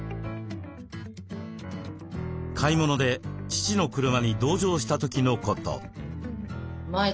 買い物で父の車に同乗した時のこと。